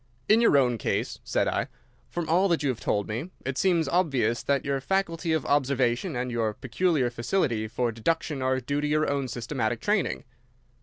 "In your own case," said I, "from all that you have told me, it seems obvious that your faculty of observation and your peculiar facility for deduction are due to your own systematic training."